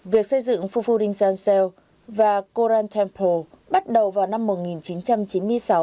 việc xây dựng phu phu đinh san xeo và koran temple bắt đầu vào năm một nghìn chín trăm chín mươi sáu